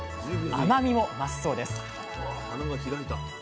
甘みも増すそうです